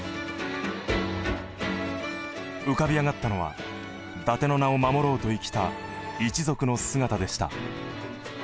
浮かび上がったのは伊達の名を守ろうと生きた一族の姿でした。